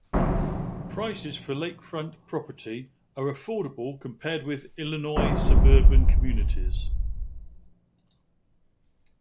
Prices for lakefront property are affordable compared with Illinois suburban communities.